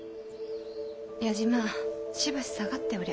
矢島しばし下がっておりゃ。